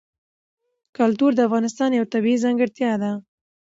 کلتور د افغانستان یوه طبیعي ځانګړتیا ده.